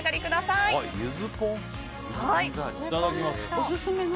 いただきます。